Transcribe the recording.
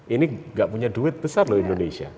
ini gak punya duit besar loh indonesia